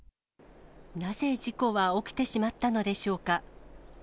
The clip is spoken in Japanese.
なぜ事故は起きてしまったのでしょうか。